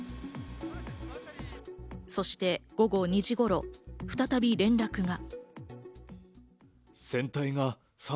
そして午後２時頃、再び連絡が。